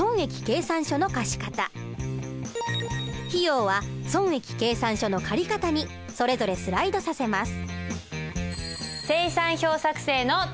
費用は損益計算書の借方にそれぞれスライドさせます。